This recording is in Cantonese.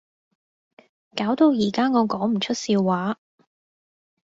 搞到而家我講唔出笑話